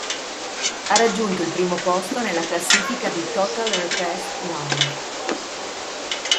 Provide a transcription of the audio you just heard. Ha raggiunto il primo posto nella classifica di "Total Request Live".